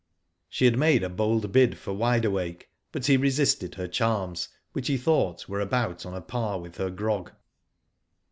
She had made a bold bid for Wide Awake, but he resisted her charms, which he thought were about on a par with her grog.